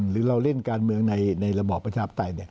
หรือเราเล่นการเมืองในระบอบประชาปไตย